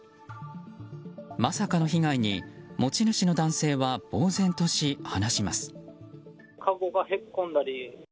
まさかの被害に持ち主の男性はぼうぜんとし、話します。